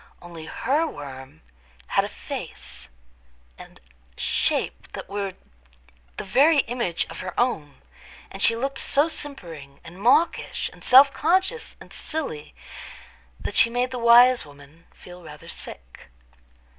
Only her worm had a face and shape the very image of her own; and she looked so simpering, and mawkish, and self conscious, and silly, that she made the wise woman feel rather sick.